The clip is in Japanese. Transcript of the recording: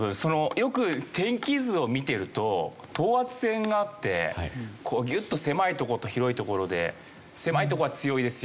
よく天気図を見てると等圧線があってギュッと狭い所と広い所で狭い所は強いですよ